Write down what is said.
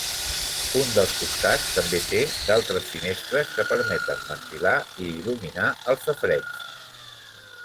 Un dels costats també té d'altres finestres que permeten ventilar i il·luminar el safareig.